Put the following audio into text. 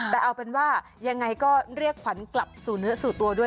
แต่เอาเป็นว่ายังไงก็เรียกขวัญกลับสู่เนื้อสู่ตัวด้วย